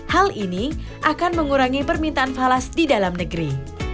hal ini akan mengurangi permintaan falas di dalam negeri